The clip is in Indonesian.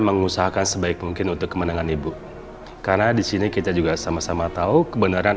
mengusahakan sebaik mungkin untuk kemenangan ibu karena disini kita juga sama sama tahu kebenaran